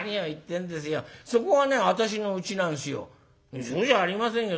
「うそじゃありませんよ。